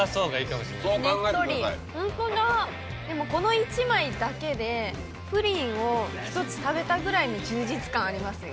でもこの１枚だけでプリンを１つ食べたぐらいの充実感ありますよ。